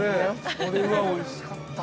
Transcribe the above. ◆これは、おいしかった。